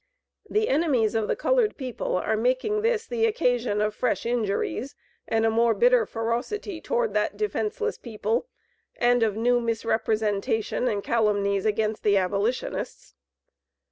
The enemies of the colored people, are making this the occasion of fresh injuries, and a more bitter ferocity toward that defenceless people, and of new misrepresentation and calumnies against the abolitionists.